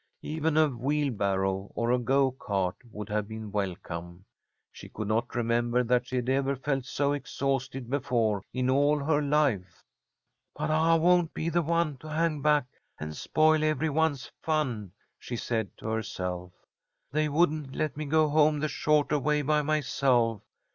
Even a wheelbarrow or a go cart would have been welcome. She could not remember that she had ever felt so exhausted before in all her life. "But I won't be the one to hang back and spoil every one's fun," she said to herself, "They wouldn't let me go home the shorter way by myself.